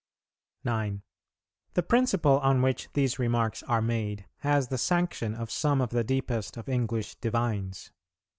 9. The principle on which these remarks are made has the sanction of some of the deepest of English Divines.